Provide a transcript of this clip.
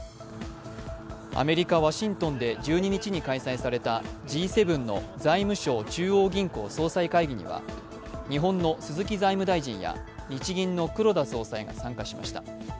アメリカ・ワシントンで１２日に開催されたＧ７の財務相・中央銀行総裁会議には日本の鈴木財務大臣や日銀の黒田総裁が参加しました。